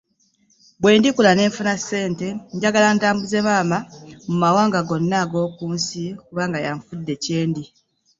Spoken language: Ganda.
Bwe ndikula ne nfuna ne ssente njagala ntambuze maama mu mawanga gonna ag'oku nsi kubanga yanfudde kye ndi.